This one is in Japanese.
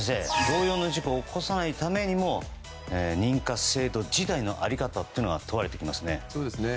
同様の事故を起こさないためにも認可制度自体の在り方が問われてきますね。